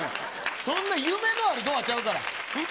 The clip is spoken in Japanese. そんな夢のあるドアちゃうから。